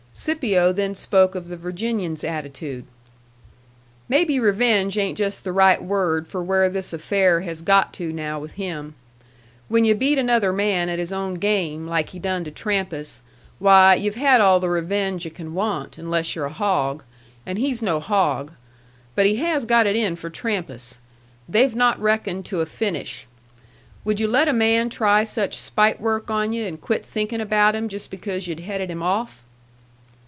Scipio then spoke of the Virginian's attitude. "Maybe revenge ain't just the right word for where this affair has got to now with him. When yu' beat another man at his own game like he done to Trampas, why, yu've had all the revenge yu' can want, unless you're a hog. And he's no hog. But he has got it in for Trampas. They've not reckoned to a finish. Would you let a man try such spite work on you and quit thinkin' about him just because yu'd headed him off?"